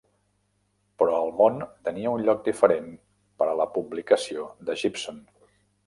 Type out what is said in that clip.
Però el món tenia un lloc diferent per a la publicació de Gibson.